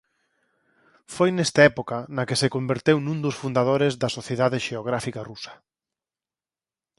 Foi nesta época na que se converteu nun dos fundadores da Sociedade Xeográfica Rusa.